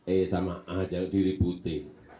eh sama aja diributi